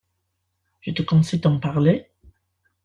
Je te conseille d’en parler…